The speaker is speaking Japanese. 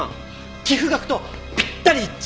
寄付額とぴったり一致！